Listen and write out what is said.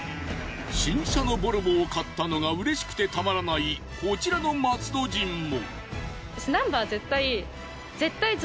新車のＶＯＬＶＯを買ったのがうれしくてたまらないこちらの松戸人も。